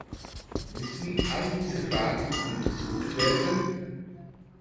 Müssen alle diese Fragen untersucht werden?